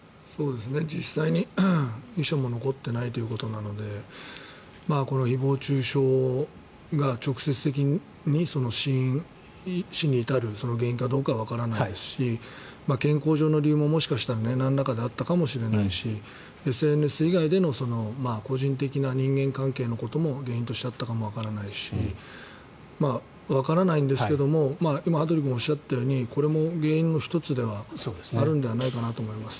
実際に遺書も残っていないということなのでこの誹謗・中傷が直接的に死因死に至る原因かどうかはわからないですし健康上の理由も、もしかしたらなんらかであったかもしれないしＳＮＳ以外での個人的な人間関係のことも原因としてあったかもわからないしわからないんですけども今、羽鳥君がおっしゃったようにこれも原因の１つではあるんではないかなと思います。